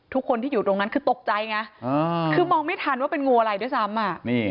ทุกคนที่อยู่ตรงนั้นคือตกใจไงคือมองไม่ทันว่าเป็นงูอะไรด้วยซ้ำ